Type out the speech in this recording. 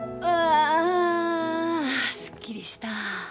あすっきりした！